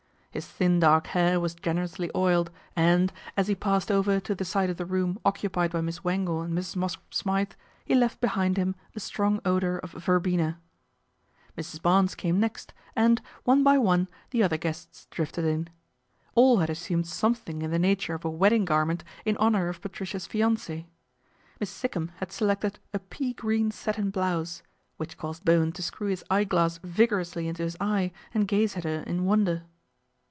His thin dark hair was generously oiled and, as he passed over to the side of the room occupied by Miss Wangle and Mrs. Mosscrop Smythe, he left be hind him a strong odour of verbena. Mrs. Barnes came next and, one by one, the other guests drifted in. All had assumed some thing in the nature of a wedding garment in honour of Patricia's fiance. Miss Sikkum had selected a pea green satin blouse, which caused Bowen to screw his eyeglass vigorously into his eye and gaze at her in wonder.